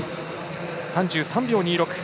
３３秒２６。